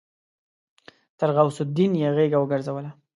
تر غوث الدين يې غېږه وګرځوله.